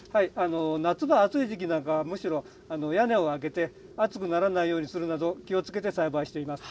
夏場、暑い時期なんかはむしろ、屋根を開けて、暑くならないようにするなど、気をつけて栽培しています。